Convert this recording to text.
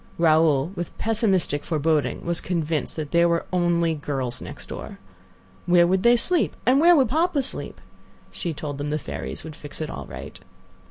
Raoul, with pessimistic foreboding, was convinced that there were only girls next door. Where would they sleep, and where would papa sleep? She told them the fairies would fix it all right.